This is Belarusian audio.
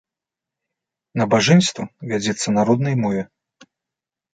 Набажэнства вядзецца на роднай мове.